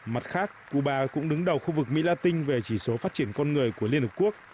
mặt khác cuba cũng đứng đầu khu vực mỹ la tinh về chỉ số phát triển con người của liên hợp quốc